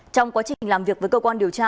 trong quá trình làm việc với cơ quan điều tra